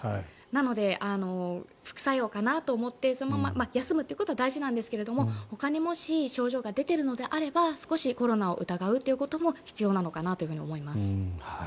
なので、副反応かなと思っても休むということは大事なんですがほかにもし症状が出ているのであれば少しコロナを疑うということも必要なのかなとも思います。